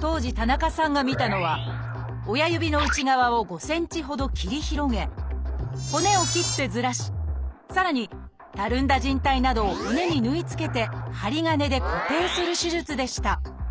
当時田中さんが見たのは親指の内側を５センチほど切り広げ骨を切ってずらしさらにたるんだじん帯などを骨に縫い付けて針金で固定する手術でした。